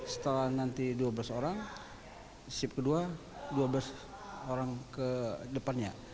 setelah nanti dua belas orang sip kedua dua belas orang ke depannya